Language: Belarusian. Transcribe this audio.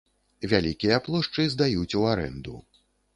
Вялікія плошчы здаюць у арэнду.